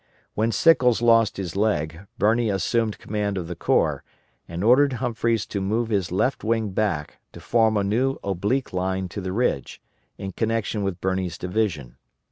When Sickles lost his leg, Birney assumed command of the corps, and ordered Humphreys to move his left wing back to form a new oblique line to the ridge, in connection with Birney's division.